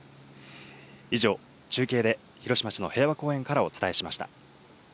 以上、中継で広島市の平和公園からお伝えしました。